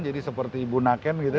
jadi seperti bunaken gitu